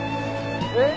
えっ？